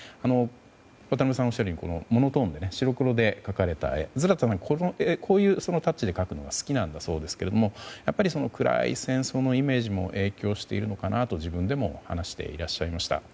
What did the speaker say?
渡辺さんがおっしゃるようにモノトーンで白黒でズラタさんは、こういうタッチが好きみたいですがその暗い戦争のイメージも影響しているのかなと自分でも話していらっしゃいました。